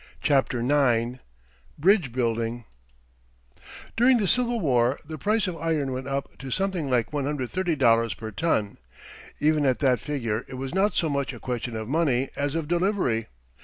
CHAPTER IX BRIDGE BUILDING During the Civil War the price of iron went up to something like $130 per ton. Even at that figure it was not so much a question of money as of delivery.